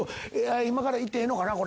今から言ってええのかな？